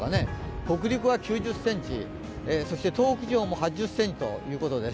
北陸は９０ｃｍ、東北地方も８０ｃｍということです。